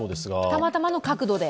たまたまの角度で？